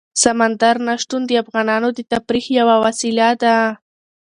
سمندر نه شتون د افغانانو د تفریح یوه وسیله ده.